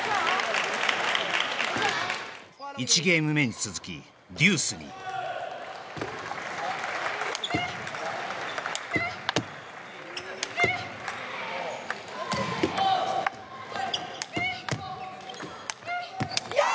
１ゲーム目に続きデュースにヤー！